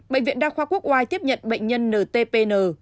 bệnh viện đa khoa quốc oai tiếp nhận bệnh nhân ntn